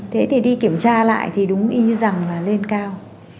thế thì đi kiểm tra lại thì đúng ý rằng là lên cao